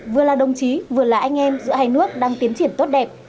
vừa là đồng chí vừa là anh em giữa hai nước đang tiến triển tốt đẹp